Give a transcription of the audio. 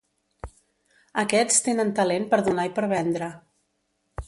Aquests tenen talent per donar i per vendre.